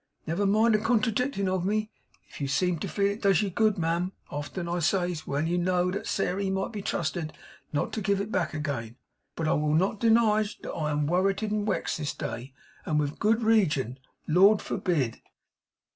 Never mind a contradicting of me, if you seem to feel it does you good, ma'am, I often says, for well you know that Sairey may be trusted not to give it back again. But I will not denige that I am worrited and wexed this day, and with good reagion, Lord forbid!